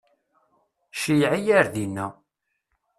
Ceyyeɛ-iyi ar dina.